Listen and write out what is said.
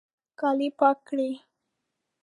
کالي پاک کړئ